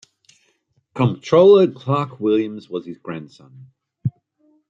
Comptroller Clark Williams was his grandson.